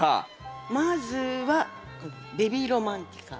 まずはベビー・ロマンティカ。